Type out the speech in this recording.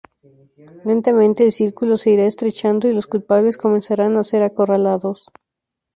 Lentamente el círculo se irá estrechando y los culpables comenzarán a ser acorralados.